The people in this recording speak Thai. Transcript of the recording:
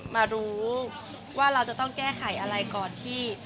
มารู้ว่าเราจะต้องแก้ไขอะไรก่อนที่